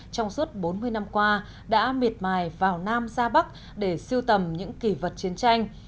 trong suốt bốn mươi năm qua đã miệt mài vào nam ra bắc để siêu tầm những kỳ vật chiến tranh